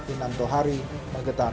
inanto hari magetan